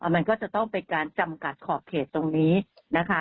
มันก็จะต้องเป็นการจำกัดขอบเขตตรงนี้นะคะ